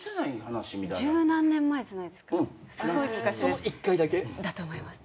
その一回だけ？だと思います。